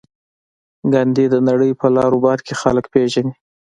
ګاندي د نړۍ په لر او بر کې خلک پېژني.